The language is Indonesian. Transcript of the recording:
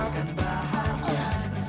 jangan langu langu ngerti